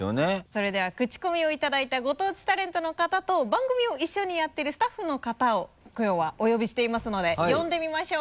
それではクチコミをいただいたご当地タレントの方と番組を一緒にやっているスタッフの方をきょうはお呼びしていますので呼んでみましょう。